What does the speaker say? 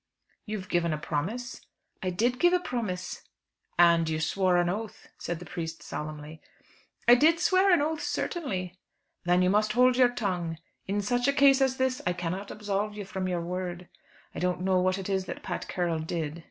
"You've given a promise?" "I did give a promise." "And you swore an oath," said the priest solemnly. "I did swear an oath certainly." "Then you must hould your tongue. In such a case as this I cannot absolve you from your word. I don't know what it is that Pat Carroll did."